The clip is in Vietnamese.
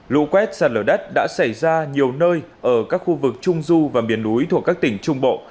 lũ quét sàn lửa đất đã xảy ra nhiều nơi ở các khu vực trung du và biển lúi thuộc các tỉnh trung bộ